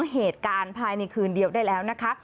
เหตุการณ์ภายในคืนเดียวได้แล้วนะคะ